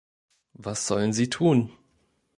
Was sollen sie tun?